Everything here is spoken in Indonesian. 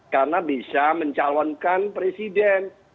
karena bisa mencalonkan presiden